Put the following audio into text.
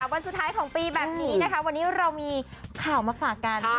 วันสุดท้ายของปีแบบนี้นะคะวันนี้เรามีข่าวมาฝากกัน